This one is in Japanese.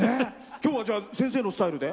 きょうは先生のスタイルで？